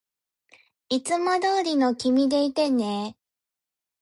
いつもどうりの君でいてね